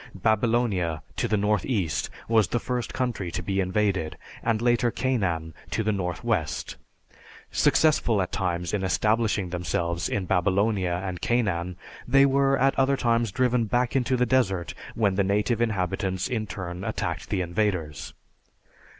Babylonia, to the northeast, was the first country to be invaded, and later Canaan to the northwest. Successful at times in establishing themselves in Babylonia and Canaan, they were at other times driven back into the desert when the native inhabitants in turn attacked the invaders.